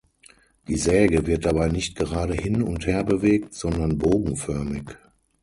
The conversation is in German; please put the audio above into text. Die Säge wird dabei nicht gerade hin- und herbewegt, sondern bogenförmig.